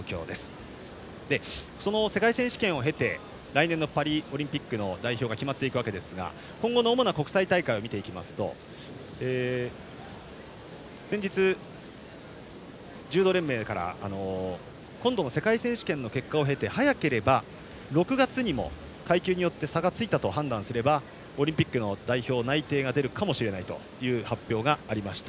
その世界選手権を経て来年のパリオリンピックの代表が決まっていくわけですが今後の主な国際大会を見ていきますと先日、柔道連盟から今度の世界選手権の結果を経て、早ければ６月にも階級によって差がついたと判断すればオリンピックの代表内定が出るかもしれないという発表がありました。